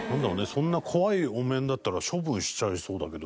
そんな怖いお面だったら処分しちゃいそうだけど。